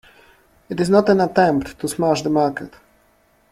It is not an attempt to smash the market.